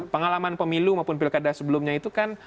pengalaman pemilu maupun pilkada sebelumnya itu kan